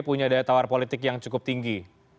punya daya tawar politik yang cukup tinggi